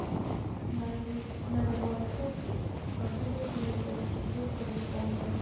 • نړیوالتوب د اقتصادونو د یوځای کېدو پروسه ده.